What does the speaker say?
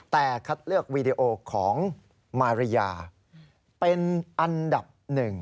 แต่คัดเลือกวีดีโอของมาริยาเป็นอันดับหนึ่ง